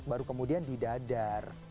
baru kemudian didadar